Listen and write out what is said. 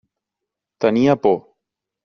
Tenia por.